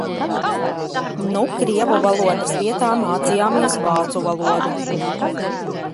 Nu krievu valodas vietā mācījāmies vācu valodu.